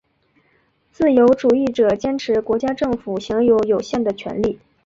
自由主义者坚持国家政府享有有限的权力。